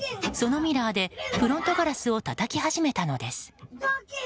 そのミラーでフロントガラスをたたき始めたのです。